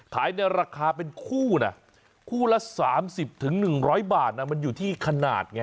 ขายในราคาเป็นคู่นะคู่ละสามสิบถึงหนึ่งร้อยบาทน่ะมันอยู่ที่ขนาดไง